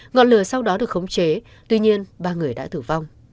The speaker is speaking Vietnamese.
ngọn lửa sau đó được khống chế tuy nhiên ba người đã tử vong